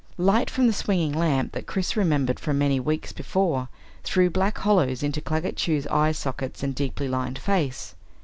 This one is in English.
Light from the swinging lamp that Chris remembered from many weeks before threw black hollows into Claggett Chew's eye sockets and deeply lined face.